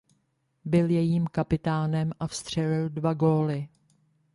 Byl jejím kapitánem a vstřelil dva góly.